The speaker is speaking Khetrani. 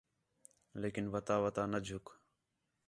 لیکن وَتا وَتا نہ جُھک